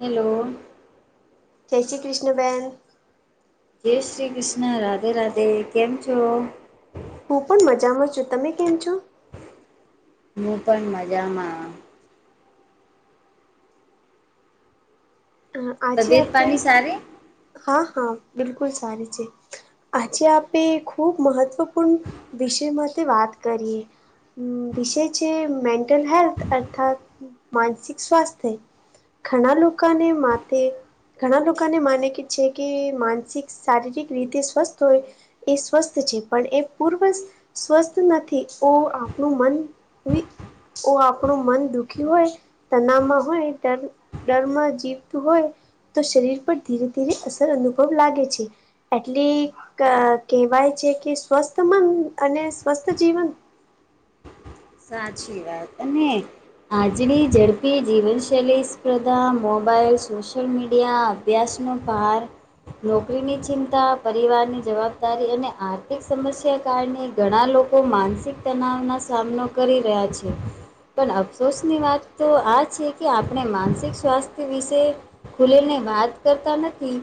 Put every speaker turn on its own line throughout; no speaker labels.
Hello!
જય શ્રી કૃષ્ણ બેન!
જય શ્રી ક્રિષ્ના, રાધે રાધે. કેમ છો?
હું પણ મજામાં છું. તમે કેમ છો?
હું પણ મજામાં.
અ આજે
તબિયત
આપડે,
પાણી સારી
હા, હા, બિલકુલ સારી છે. આજે આપે ખૂબ મહત્વપૂર્ણ વિષય માતે વાત કરીએ. વિષય છે મેન્ટલ હેલ્થ અર્થાત માનસિક સ્વાસ્થ્ય. ઘણા લોકાને માથે ઘણા લોકોને માને કે છે કે માનસિક, શારીરિક રીતે સ્વસ્થ હોય એ સ્વસ્થ છે પણ એ પૂર્વ [inaudible] સ્વસ્થ નથી. ઓ આપણું મન વિ ઓ આપણું મન દુખી હોય, તનામાં હોય ત્યાર ડરમાં જી તું હોય તો શરીર પર ધીરે ધીરે અસર અનુભવ લાગે છે. એટલી ક કેવાય છે કે સ્વસ્થ મન અને સ્વસ્થ જીવન
સાચી વાત અને આાજની ઝડપી જીવનશૈલી સ્પર્ધા, મોબાઈલ, સોશિયલ મીડિયા અભ્યાસનો [unintelligible] નોકરીની ચિંતા, પરિવારની જવાબદારી અને આર્થિક સમસ્યા કારણે ઘણા લોકો માનસિક તનાવનો સામનો કરી રહ્યા છે. પન અફસોસની વાત તો આ છે કે આપણે માનસિક સ્વાસ્થ્ય વિશે ખુલીને વાત કરતા નથી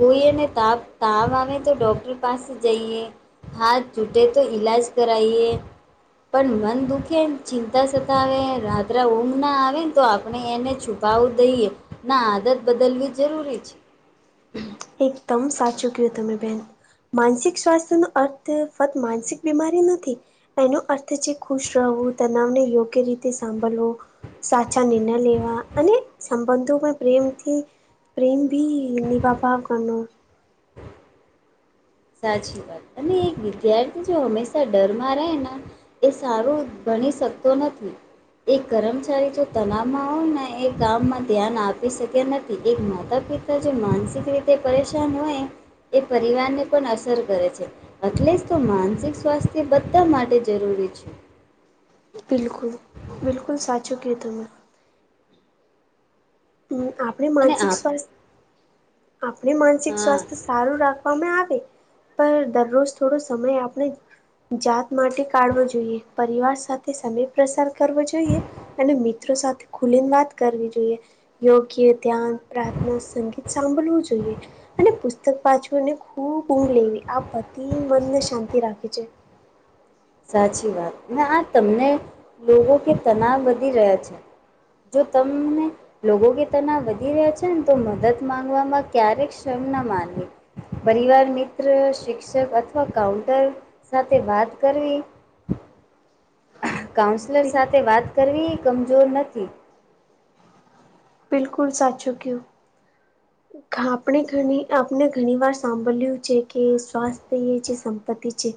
કોઈને તાવ તાવ આવે તો ડોક્ટર પાસે જઈએ હાથ તુટે તો ઇલાજ કરાઈએ, પણ મન દુખેન, ચિંતા સતાવે, રાત્ર ઊંઘ ના આવે ને તો આપણે એને છુ છુપાવ દઈએ ના આદત બદલવી જરૂરી છે.
એકદમ સાચું કીધું તમે બેન. માનસિક સ્વાસ્થ્ય નો અર્થ ફક્ત માનસિક બીમારી નથી, એનો અર્થ છે ખુશ રહો, તનાવને યોગ્ય રીતે સાંભળવો સાચા નીરનય લેવા અને સંબંધોમેં પ્રેમથી પ્રેમ ભી નિવા ભાવ કરનો,
સાચીવાત અને એક વિદ્યાર્થી જો હંમેશા ડરમાં રહે ને, એ સારું ભણી શકતો નથી, એક કર્મચારી જો તલાવમાં હોને એ ગામમાં ધ્યાન આપી શક્યા નથી એક માતા- પિતા. જે માનસિક રીતે પરેશાન હોય એ પરિવારને, પણ અસર કરે છે, એટલે જતો માનસિક સ્વાસ્થ્ય બધા માટે જરૂરી છે.
બિલકુલ- બિલકુલ સાચું કીધુ તમેં. હું આપણે
અને
માનસિક
આપ
સ્વાસ્થ્ય, આપણે માનસિક
હા
સ્વાસ્થ્ય સારું રાખવામાં આવે, પણ દરરોજ થોડો સમય આપણે, જાત માટે કાઢવો જોઈએ પરિવાર સાથે સમય, પ્રસાર કરવો જોઈએ અને મિત્રો સાથે ખુલીને વાત કરવી જોઈએ, યોગ્ય ધ્યાન પ્રાર્થના સંગીત સાંભળવું જોઈએ, અને પુસ્તક પાછવુંને ખૂબ ઊંઘ લેવી આ પતિ મનને શાંતિ રાખવી જોઈએ,
સાચીવાત આ તમને લોકો કે તનાવ વધી રહ્યા છે, જો તમને, લોકો કે તનાવ વધી રહ્યા છે, નેતો મદદ માંગવામાં ક્યારેક શરમના માનવી. પરિવાર, મિત્ર, શિક્ષક અથવા કાઉન્ટર સાથે વાત કરવી. કાઉન્સલર સાથે વાત કરવીએ કમજોર નથી,
બિલકુલ સાચુંકીધું, આપણે ઘણી આપણે ઘણીવાર સાંભળ્યું છે, કે સ્વાસ્થ્ય એજે સંપત્તિ છે.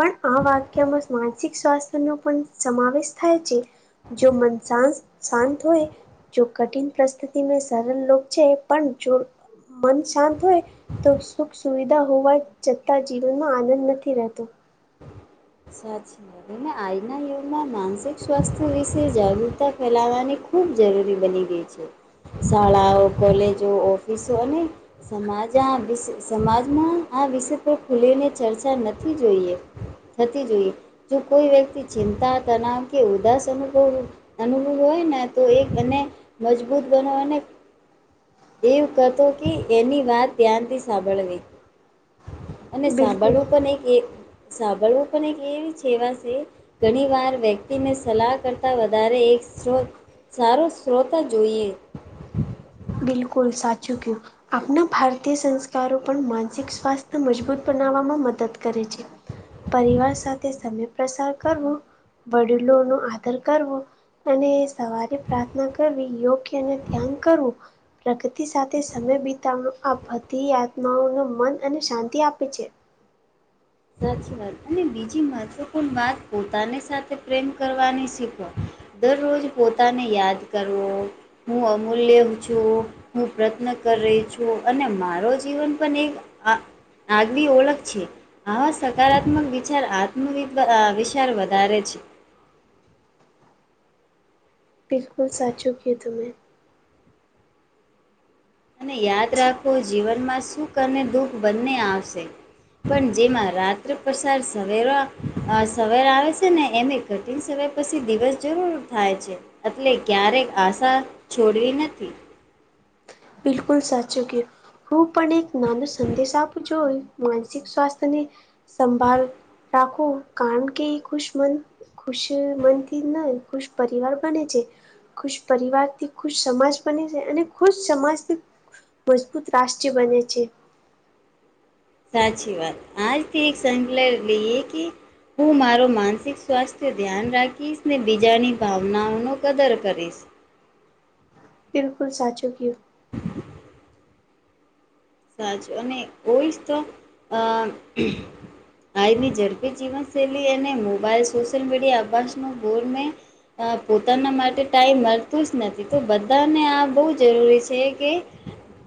પણ આ વાક્યમાં માનસિક સ્વાસ્થ્યનો પણ સમાવેશ થાય છે, જો મન શાંત -શાંત હોય. જો કઠિન પરિસ્થિતિને સરળ લોગ છે, પણ જો મન શાંત હોય. તો સુખ- સુવિધા હોવા છતાં જીવનમાં આનંદ નથી રહેતો.
સાચીને આજના યુગમાં માનસિક સ્વાસ્થ્ય વિશે જાગૃતતા ફેલાવવાની ખુબ, ખુબ જરૂરી બની ગઈ છે, શાળાઓ- કોલેજો ઓફિસો અને. સમાજ આ વિષ સમાજમાં આ વિષય પર ખુલીને ચર્ચા નથી જોઈએ. થતી જોઈએ. જો કોઈ વ્યક્તિ ચિંતા તનાવ કે ઉદાસ અનુભવ, અનુકુળ હોય એને, મજબૂત બનાવાને, એવું કહતો કે એની વાત ધ્યાનથી સાંભળવી. અને
બિલકુલ
સાંભળવું પણ એક એ, સાંભળવું પણ એક એવી છેવાશે, ઘણીવાર વ્યક્તિને સલાહ કરતા વધારે એક સોત, સારો શ્રોતા જોઈએ.
બિલકુલ. સાચું કહ્યું. આપના ભારતીય સંસ્કારો પણ માનસિક સ્વાસ્થ્ય મજબૂત બનાવવામાં મદદ કરે છે. પરિવાર સાથે સમય પ્રસાર કરવો. વડીલોનું આદર કરવો. અને સવારે પ્રાર્થના કરવી યોગ્ય અને ધ્યાન કરવું. પ્રગતિ સાથે સમય બિતાવણ આ બધી આત્માઓને મન અને શાંતિ આપે છે.
સાચી વાત. અને બીજી મહત્વપૂર્ણ વાત પોતાની સાથે પ્રેમ કરવાની શીખવ્યું. દરરોજ પોતાને યાદ કરવું, હું અમૂલ્ય છું. હું પ્રયત્ન કરી રહી છું. અને મારો જીવન પણ એક આ, આગવી ઓલક છે. આવા સકારાત્મક વિચાર આત્મવિશ્વાસ ‌વિચાર વધારે છે.
બિલકુલ, સાચું કીધું મેં.
અને યાદ રાખો જીવનમાં સુખ અને દુઃખ બંને આવશે. પણ જેમાં રાત્રે પ્રસાર સવેરો અ સવેરે આવે છે ને એની કઠિન સમય પછી દિવસ જરૂર થાય છે. એટલે ક્યારેક આશા છોડવી નથી.
બિલકુલ સાચું કીધું. હું પણ એક નાનો સંદેશ આપું છું. જો માનસિક સ્વાસ્થ્ય ને સંભાળ રાખો કારણ કે ખુશ મન ખુશ મનથી ન ખુશ પરિવાર બને છે. ખુશ પરિવારથી ખુશ સમાજ બને છે. અને ખુશ સમાજ થી મજબૂત રાષ્ટ્ર બને છે.
સાચી વાત આજથી એક સંકલ્પ લઈ કે હું મારો માનસિક સ્વાસ્થ્ય ધ્યાન રાખીશને બીજાની ભાવનાઓનો કદર કરીશ.
બિલકુલ સાચો કયું.
સાચું અને હોય જ તો અ આની ઝડપી જીવનશૈલી અને મોબાઈલ સોશિયલ મીડિયા અભાસનો ગોરને અ પોતાના માટે ટાઈમ મળતું જ નથી તો બધાને આ બહુ જરૂરી છે. કે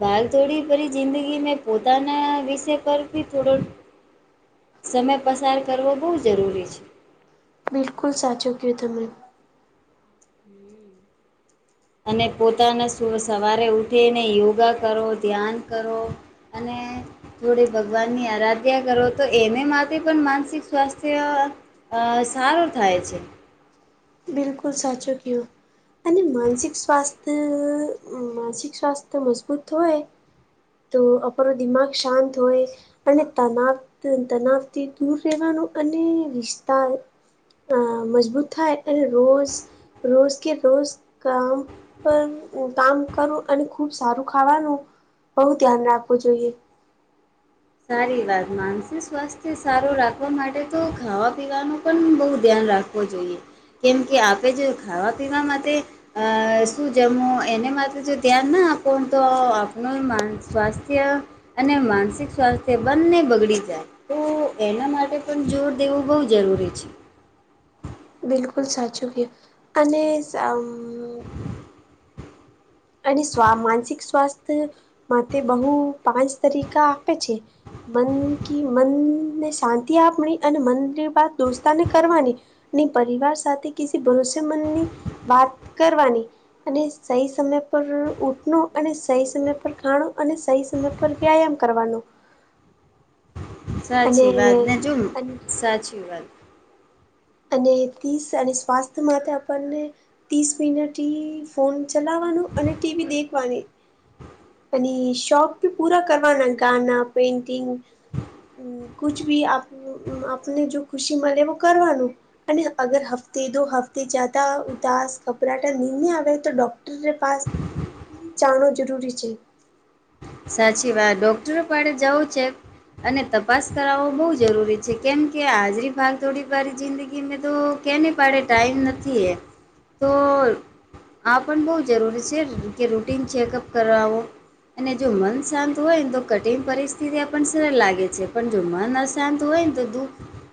ભાગ થોડી ભરી જિંદગી મે પોતાના વિષય પર ભી થોડો સમય પસાર કરવો બહુ જરૂરી છે.
બિલકુલ સાચું કીધું તમે
હમમમ અને પોતાના સુ સવારે ઉઠીને યોગા કરો, ધ્યાન કરો. અને જોડે ભગવાનની આરાધ્યા કરો તો એને માટે પણ માનસિક સ્વાસ્થ્ય અ સારું થાય છે.
બિલકુલ સાચું ક્યો અને માનસિક સ્વાસ્થ્ય માનસિક સ્વાસ્થ્ય મજબૂત હોય. તો અપરો દિમાઞ શાંત હોય. અને તનાવ-તનાવથી દૂર રહેવાનું અને રિશ્તા અ મજબૂત થાય અને રોજ રોજ કે રોજ કામ પણ કામ કરું અને ખુબ સારું ખાવાનું બહુ ધ્યાન રાખવું જોઈએ.
સારી વાત. માનસિક સ્વાસ્થ્ય સારું રાખવા માટે તો ખાવા પીવાનું પણ બહુ ધ્યાન રાખું. આપવો જોઈએ કેમ કે આપે જે ખાવા પીવા માટે અ શું જમો એને માટે જો ધ્યાન ના આપો તો આપણું માન સ્વાસ્થ્ય અને માનસિક સ્વાસ્થ્ય બંને બગડી જાય તો એના માટે પણ જોર દેવું બહુ જરૂરી છે
બિલકુલ સાચું કીધું અને સામ અને સવા માનસિક સ્વાસ્થ માટે બહુ પાંચ તરીકા આપે છે મન કી મન ને શાંતિ આપણી અને મન કી બાત દોસ્તા ને કરવાની ની પરિવાર સાથે કી સી ભરોસે મંદની વાત કરવાની અને સહી સમય પ પર ઉઠ નો અને સહી સમય પર ખાણો અને સહી સમય પર વ્યાયામ કરવાનો અને
સાચી વાત ને જો સાચી વાત
અને તે સ અને સ્વાસ્થ્ય માટે આપણને તીસ મિનટ હી ફોન ચલાવાનું અને ટીવી દેખવાની અને શોખ ભી પુરા કરવાના ગાના પેન્ટિંગ હમ્મ, કુછ બી આપનો આપને જો ખુશી મલે વો કરવાનું અને અગર હફ્તે દો હફ્તે જ્યાદા ઉદાસ ઘપરાટા નહિ આવે તો ડોક ટર પાસ જાણો જરૂરી છે.
સાચી વાત ડોક્ટરો પાડે જવું છે અને તપાસ કરાવો બહુ જરૂરી છે કેમ કે આજની ભાગદોડ વારી જિંદગીમે તો કેની પાડે ટાઈમ નથી એ તો આ પણ બહુ જરૂરી છે કે રૂટીન ચેકઅપ કરાવો અને જો મન શાંત હોયન તો કઠિન પરિસ્થિતિ આપણ સરળ લાગે છે પણ જો મન અશાંત હોય ને તો દુઃખ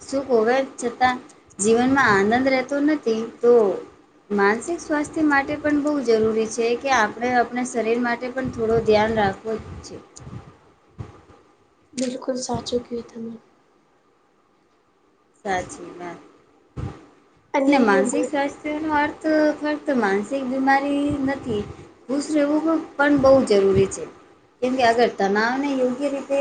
સુખ હોવા છતાં જીવનમાં આનંદ રહેતો નથી તો માનસિક સ્વાસ્થ્ય માટે પણ બહુ જરૂરી છે કે આપણે આપણા શરીર માટે પણ થોડું ધ્યાન રાખ વુ જ છે.
બિલકુલ સાચું કીધું
સાચી વાત અને માનસિક સ્વા તેનો અર્થ ફક્ત માનસિક બીમારી નથી ખુશ રહેવું પન બહુ જરૂરી છે કેમ કે આગર તનાવને યોગ્ય રીતે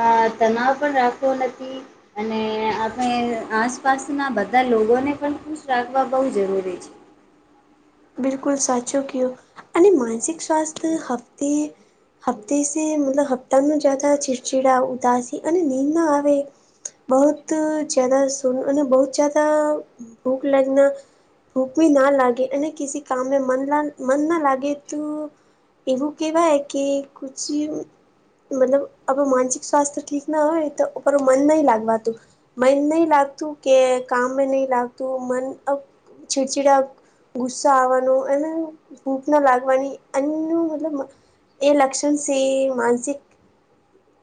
આ તનાવ પણ રાખવો નથી અને આ અને આસપાસના બધા લોગોને પણ ખુશ રાખવા બહુ જરૂરી છે.
બિલકુલ સાચો કયો અને માનસિક સ્વાસ્થ્ય હપતે હપ્તે સે મતલબ હપ્તાનું જ્યાદા ચીડચીડાવુ, ઉદાસી અને નીંદ ન આવે બહુત જ્યાદા શુન અને બહુત જ્યાદા ભૂખ લાગના ભૂખ બી ના લાગે અને કિસી કામમે મન ના મન ના લાગે તો એવું કેવાય કે કુછ મતલબ આપણું માનસિક સ્વાસ્થ ઠીક ના હોય તો ઉપર નહીં લાગવાતું મન નહી લાગતું કે કામ મેં નહી લાગતું મન છીડછીડા ગુસ્સા આવવાનો અને ભૂખ ના લાગવાની અન્નુ મતલબ [unintelligible] એ લક્ષણ સે માનસિક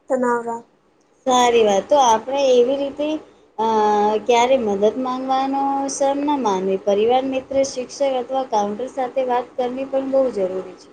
તનાવ રા
સારી વાત તો આપણે એવી રીતે હ ક્યારે મદદ માંગવાનો સર ન માને પરિવાર મિ ત્ર, શિક્ષક અથવા કાઉન્ટર સાથે વાત કરવી પણ બહુ જરૂરી છે.